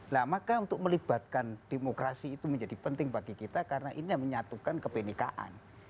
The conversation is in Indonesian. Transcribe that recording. nah maka untuk melibatkan demokrasi itu menjadi penting bagi kita karena ini yang menyatukan kebenekaan